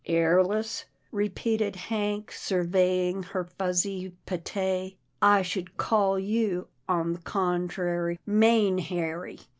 " Hairless," repeated Hank surveying her fuzzy pate, " I should call you, on the contrary, main hairy."